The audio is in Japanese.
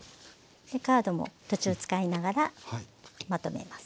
カードも途中使いながらまとめます。